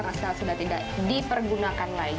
waduh saya mencoba untuk menambangnya ya pak